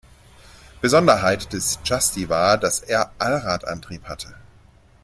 Besonderheit des Justy war, dass er Allradantrieb hatte.